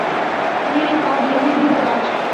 মেরে পা ভেঙে দিবো আজ।